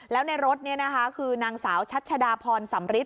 แล้วในรถนี่นะคะคือนางสาวชัชดาพรสำริท